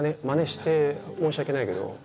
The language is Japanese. まねして申し訳ないけど。